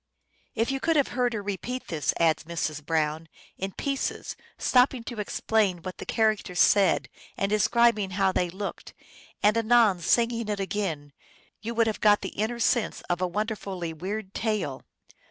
"If you could have heard her repeat this," adds Mrs. Brown, " in pieces, stop ping to explain what the characters said, and describing how they looked, and anon singing it again, you would have got the inner sense of a wonderfully weird tale.